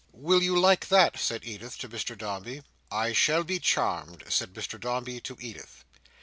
"Will you like that?" said Edith to Mr Dombey. "I shall be charmed," said Mr Dombey to Edith.